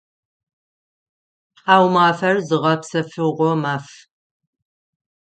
Тхьаумафэр зыгъэпсэфыгъо маф.